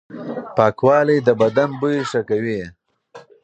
پاکوالي د بدن بوی ښه کوي.